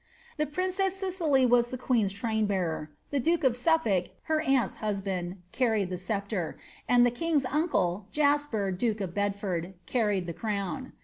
The princess Cicely was the queen's trainbearer: the duke of Snflblk, her aunt's husband, carried the sceptre ; and the king's uncle, Jasper duke of Bedford, carried the crown.